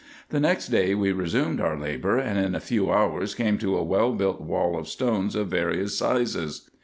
The next day we resumed our labour, and in a few hours came to a well built Avail of stones of various sizes.